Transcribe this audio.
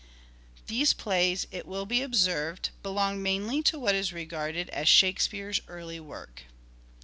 These plays, it will be observed, belong mainly to what is regarded as Shakespeare's early work.